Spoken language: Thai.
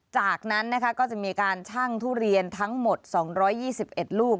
จากนั้นนะคะก็จะมีการชั่งทุเรียนทั้งหมด๒๒๑ลูก